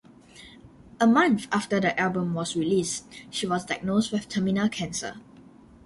A month after the album was released, she was diagnosed with terminal cancer.